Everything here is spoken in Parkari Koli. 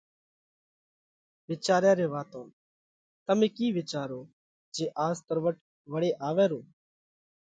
وِيچاريا ري واتون تمي ڪِي وِيچاروه جي آز تروٽ وۯي آوئہ رو